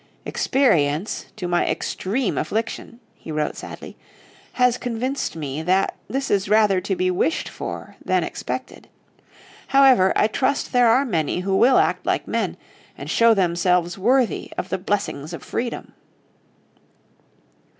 "Experience, to my extreme affliction," he wrote sadly, "has convinced me that this is rather to be wished for than expected. However, I trust there are many who will act like men, and show themselves worthy of the blessings of freedom."